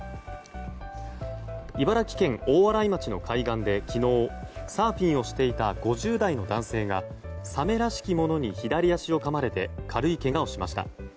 茨城県大洗町の海岸で昨日サーフィンをしていた５０代の男性がサメらしきものに左足をかまれて軽いけがをしました。